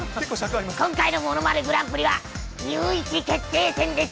今回のものまねグランプリは、日本一決定戦です。